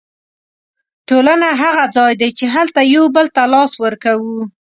ټولنه هغه ځای دی چې هلته یو بل ته لاس ورکوو.